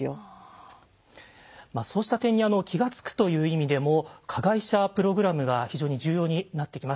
まあそうした点に気が付くという意味でも加害者プログラムが非常に重要になってきます。